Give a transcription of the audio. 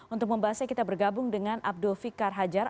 untuk membahasnya kita bergabung dengan abdul fikar hajar